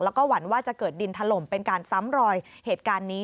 แล้วก็หวั่นว่าจะเกิดดินถล่มเป็นการซ้ำรอยเหตุการณ์นี้